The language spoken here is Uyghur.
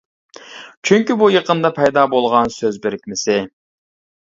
چۈنكى بۇ يېقىندا پەيدا بولغان سۆز بىرىكمىسى.